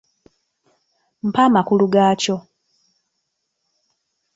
Mpa amakulu gaakyo.